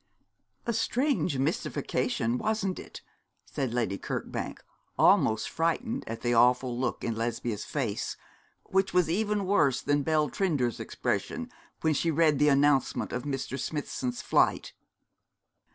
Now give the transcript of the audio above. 'A strange mystification, wasn't it?' said Lady Kirkbank, almost frightened at the awful look in Lesbia's face, which was even worse than Belle Trinder's expression when she read the announcement of Mr. Smithson's flight.